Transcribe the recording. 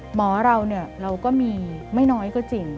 หมอเราก็มีไม่น้อยกว่าจริง